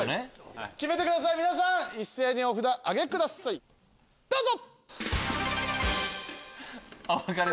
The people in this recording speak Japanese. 決めてください皆さん一斉にお挙げくださいどうぞ！